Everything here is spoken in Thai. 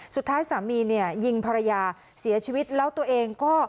สามีเนี่ยยิงภรรยาเสียชีวิตแล้วตัวเองก็